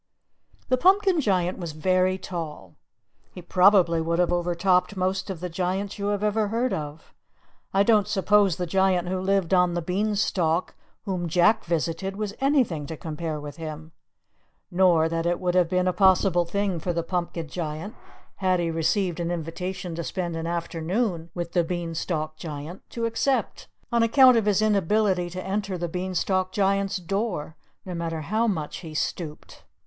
The Pumpkin Giant was very tall; he probably would have overtopped most of the giants you have ever heard of. I don't suppose the Giant who lived on the Bean stalk whom Jack visited was anything to compare with him; nor that it would have been a possible thing for the Pumpkin Giant, had he received an invitation to spend an afternoon with the Bean stalk Giant, to accept, on account of his inability to enter the Bean stalk Giant's door, no matter how much he stooped.